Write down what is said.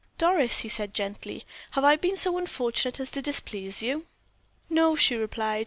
"Doris," he said, gently, "have I been so unfortunate as to displease you?" "No," she replied.